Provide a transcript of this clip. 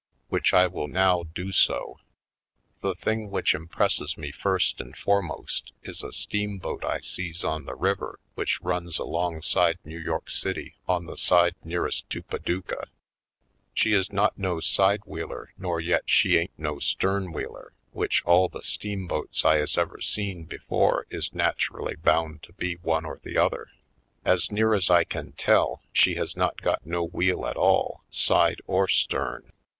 Which I will now do so : The thing which impresses me first and foremost is a steamboat I sees on the river which runs alongside New York City on the side nearest to Paducah. She is not no side wheeler nor yet she ain't no stern wheeler, which all the steamboats I has ever North Bound 39 seen before is naturally bound to be one or the other. As near as I can tell, she has not got no wheel at all, side or stern